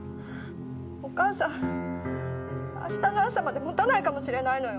お母さん明日の朝まで持たないかもしれないのよ！